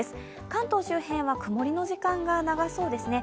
関東周辺は曇りの時間が長そうですね。